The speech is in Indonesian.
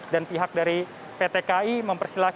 dan pihak dari pt kai memperkenalkan